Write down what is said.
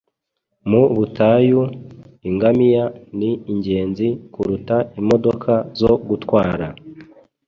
mu butayu, ingamiya ni ingenzi kuruta imodoka zo gutwara